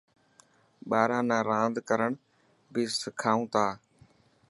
ٻاران نا راند ڪرڻ بهي سکائون ٿا.